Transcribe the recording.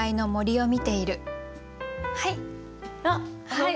はい！